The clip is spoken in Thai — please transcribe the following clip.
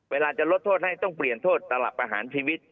เวลาจะลดโทษให้ต้องเปลี่ยนโทษตลับประหารชีวิต